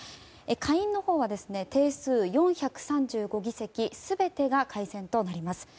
下院のほうは、定数４３５議席全てが改選となります。